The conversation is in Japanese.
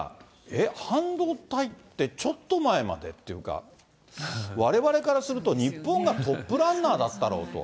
えっ、半導体って、ちょっと前までっていうか、われわれからすると、日本がトップランナーだったろうと。